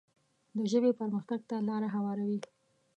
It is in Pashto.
د ژبې پرمختګ ته لاره هواروي.